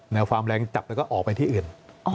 ความแรงจับแล้วก็ออกไปที่อื่น